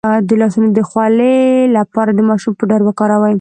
د لاسونو د خولې لپاره د ماشوم پوډر وکاروئ